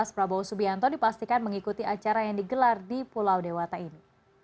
prabowo subianto dipastikan mengikuti acara yang digelar di pulau dewata ini